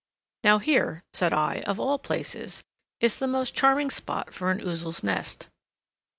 "Now here," said I, "of all places, is the most charming spot for an Ouzel's nest."